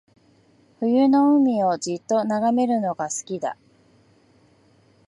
冬の海をじっと眺めるのが好きだ